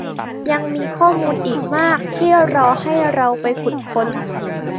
ยังมีข้อมูลอีกมากที่รอให้เราไปขุดค้น